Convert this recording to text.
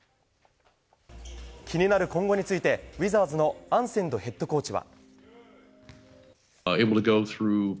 気になる今後についてウィザーズのアンセンドヘッドコーチは。